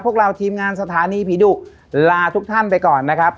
พวกเราทีมงานสถานีผีดุลาทุกท่านไปก่อนนะครับ